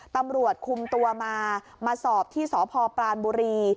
ตำรวจคุมตัวมามาสอบที่สพปรานบุรี